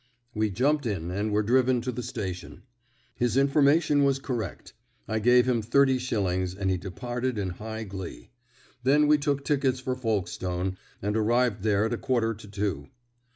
We jumped in, and were driven to the station. His information was correct. I gave him thirty shillings, and he departed in high glee. Then we took tickets for Folkestone, and arrived there at a quarter to two.